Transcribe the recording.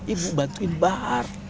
ibu bantuin bahar